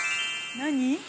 何？